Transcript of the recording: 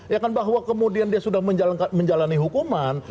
ya kan bahwa kemudian dia sudah menjalani hukuman